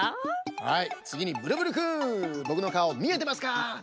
はいつぎにブルブルくんぼくのかおみえてますか？